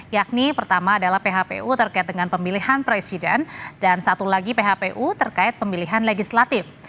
yakni pertama adalah phpu terkait dengan pemilihan presiden dan satu lagi phpu terkait pemilihan legislatif